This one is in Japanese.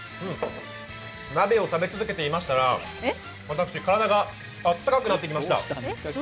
鍋を食べ続けていましたら、私体が温かくなってきました。